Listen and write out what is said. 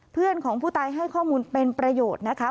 เพื่อนของผู้ตายให้ข้อมูลเป็นประโยชน์นะคะ